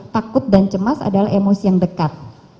takut dan cemas adalah emosi yang dekat